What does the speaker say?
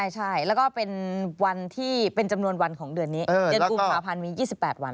ใช่แล้วก็เป็นวันที่เป็นจำนวนวันของเดือนนี้เดือนกุมภาพันธ์มี๒๘วัน